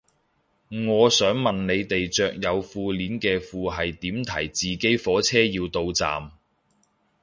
我想問你哋着有褲鏈嘅褲係點提自己火車要到站